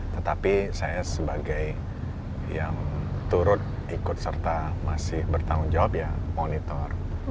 tetapi saya sebagai yang turut ikut serta masih bertanggung jawab ya monitor